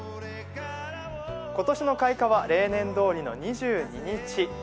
今年の開花は例年どおりの２２日。